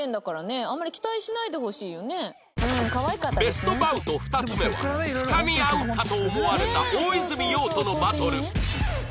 ベストバウト２つ目はつかみ合うかと思われた大泉洋とのバトル